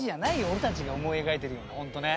俺たちが思い描いているようなほんとね。